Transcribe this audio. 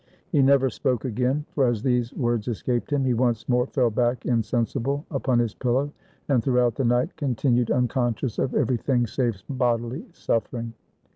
He never spoke again ; for as these words escaped him he once more fell back insensible upon his pillow, and throughout the night continued unconscious of every thing save bodily suffering.